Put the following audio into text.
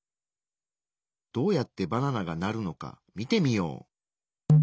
どうやってバナナがなるのか見てみよう。